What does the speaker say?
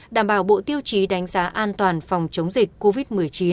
đảm bảo bộ tiêu chí đánh giá an toàn phòng chống dịch covid một mươi chín